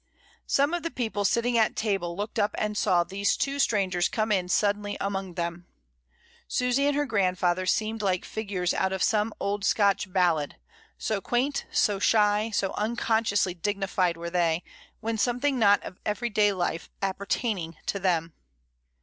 Some of the people sitting at table looked up and saw these two strangers come in suddenly among them. Susy and her grandfather seemed like figures out of some old Scotch ballad, so quaint, so shy, so unconsciously dignified were they, with something not of everyday life appertaining to them.